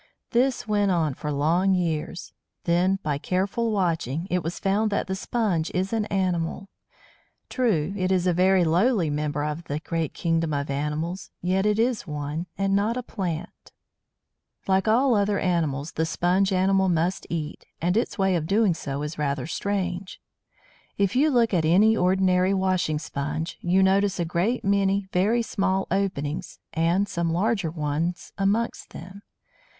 This went on for long years. Then, by careful watching, it was found that the Sponge is an animal. True, it is a very lowly member of the great kingdom of animals, yet it is one, and not a plant. Like all other animals, the Sponge animal must eat, and its way of doing so is rather strange. If you look at any ordinary washing sponge, you notice a great many very small openings and some larger ones amongst them.